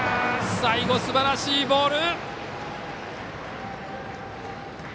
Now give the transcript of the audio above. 最後、すばらしいボール！